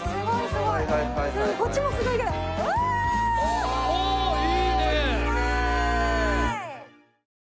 すごーい！